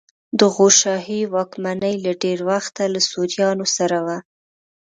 د غور شاهي واکمني له ډېره وخته له سوریانو سره وه